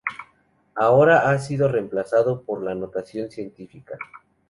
Ahora ha sido reemplazado por la notación científica.